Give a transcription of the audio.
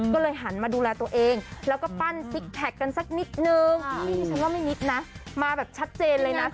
ก็เลยหันมาดูแลตัวเองแล้วก็ปั้นซิกแพคกันสักนิดนึงฉันว่าไม่นิดนะมาแบบชัดเจนเลยนะ